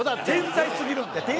天才すぎるんで。